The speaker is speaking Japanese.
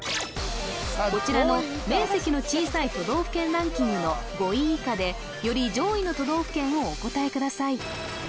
こちらの面積の小さい都道府県ランキングの５位以下でより上位の都道府県をお答えください